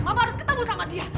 mama harus ketemu sama dia